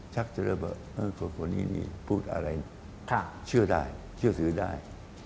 ชักจะเริ่มว่าเอ้อไอ้คนนี้นี่พูดอะไรเชื่อได้เชื่อสือได้